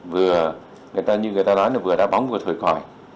vừa như người ta nói là vừa đá bóng vừa thổi còi